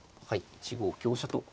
１五香車と。